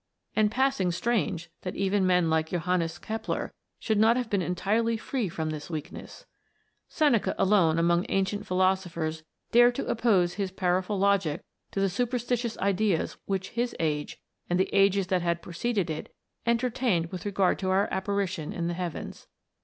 And passing strange that even men like Johannes Kepler should not have been entirely free from this weakness ! Seneca alone among ancient philosophers dared to oppose his powerful logic to the superstitious ideas which his age, and the ages that had preceded it, enter tained with regard to our apparition in the heavens.